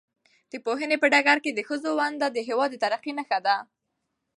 د پوهنې په ډګر کې د ښځو ونډه د هېواد د ترقۍ نښه ده.